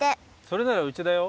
それならうちだよ！